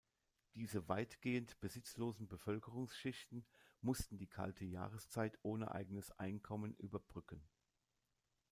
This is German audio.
Diese weitgehend besitzlosen Bevölkerungsschichten mussten die kalte Jahreszeit ohne eigenes Einkommen überbrücken.